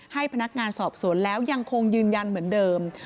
ให้พนักงานสอบสวนแล้วยังคงยืนยันเหมือนเดิม